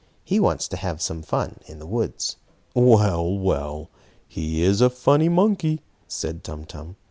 He wants to have some fun in the woods." "Well, well! He is a funny monkey," said Tum Tum.